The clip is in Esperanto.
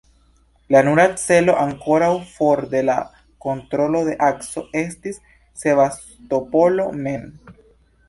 La nura celo ankoraŭ for de la kontrolo de Akso estis Sebastopolo mem.